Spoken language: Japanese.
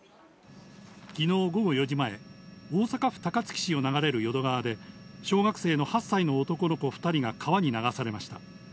昨日午後４時前、大阪府高槻市を流れる淀川で、小学生の８歳の男の子２人が川に流されました。